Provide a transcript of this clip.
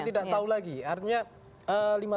tidak tahu lagi artinya lima